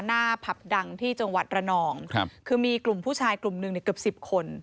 ผับดังที่จังหวัดระนองครับคือมีกลุ่มผู้ชายกลุ่มหนึ่งในเกือบสิบคน